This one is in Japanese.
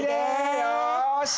よし。